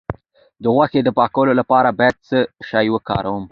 د غوښې د پاکوالي لپاره باید څه شی وکاروم؟